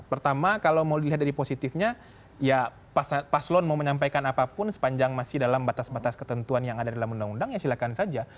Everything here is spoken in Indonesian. pertama kalau mau dilihat dari positifnya ya paslon mau menyampaikan apapun sepanjang masih dalam batas batas ketentuan yang ada dalam undang undang ya silakan saja